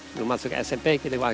belum masuk smp kita ke warga ini